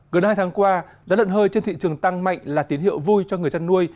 gần hai tháng qua giá lợn hơi trên thị trường tăng mạnh là tín hiệu vui cho người chăn nuôi